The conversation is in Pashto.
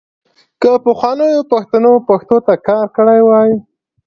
که پخوانیو پښتنو پښتو ته کار کړی وای .